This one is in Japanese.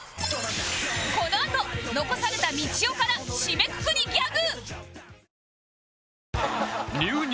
このあと残されたみちおから締めくくりギャグ